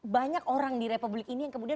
banyak orang di republik ini yang kemudian